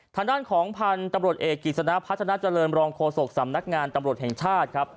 ทางด้านของพันธุ์ตำรวจเอกกิจสนะพัฒนาเจริญรองโฆษกสำนักงานตำรวจแห่งชาติครับ